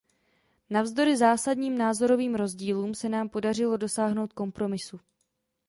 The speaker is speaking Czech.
Navzdory zásadním názorovým rozdílům se nám podařilo dosáhnout kompromisu.